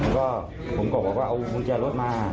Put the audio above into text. ก็ผมก็บอกว่าเอากุญแจรถมา